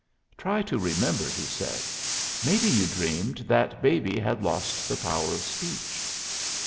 "Try to remember," he said. "Maybe you dreamed that Baby had lost the power of speech."